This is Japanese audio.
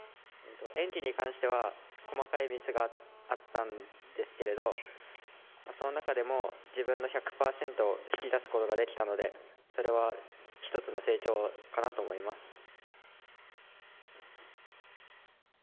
演技に関しては、細かいミスがあったんですけれど、その中でも、自分の１００％を引き出すことができたので、それは一つの成長かなと思います。